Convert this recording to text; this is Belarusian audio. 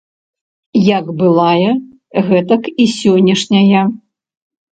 Як былая, гэтак і сённяшняя.